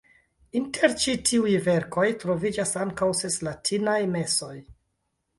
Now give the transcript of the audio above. Inter ĉi tiuj verkoj troviĝas ankaŭ ses latinaj mesoj.